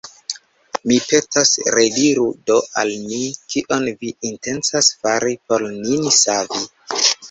Mi petas, rediru do al mi, kion vi intencas fari por nin savi.